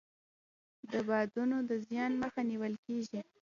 د بادونو د زیان مخه نیول کیږي.